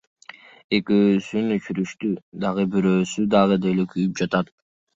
Экөөсүн өчүрүштү, дагы бирөөсү дагы деле күйүп жатат.